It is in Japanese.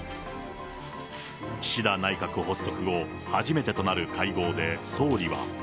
岸田内閣発足後初めてとなる会合で総理は。